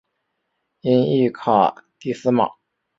音译卡蒂斯玛。